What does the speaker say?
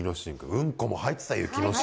「うんこ」も入ってた雪之進。